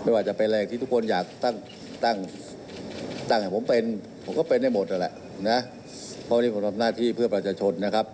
เพราะวันนี้ผมทำหน้าที่เพื่อประชาชนนะครับ